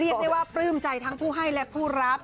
เรียนด้วยว่าปรื่มใจทั้งผู้ให้และผู้รับ